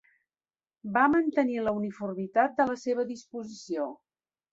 Va mantenir la uniformitat de la seva disposició...